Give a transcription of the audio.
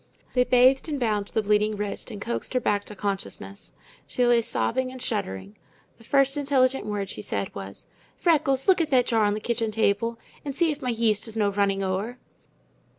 They bathed and bound the bleeding wrist and coaxed her back to consciousness. She lay sobbing and shuddering. The first intelligent word she said was: "Freckles, look at that jar on the kitchen table and see if my yeast is no running ower."